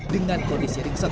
dengan kondisi ringset